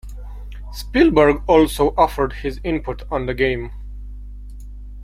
Spielberg also offered his input on the game.